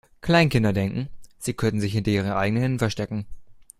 Kleinkinder denken, sie könnten sich hinter ihren eigenen Händen verstecken.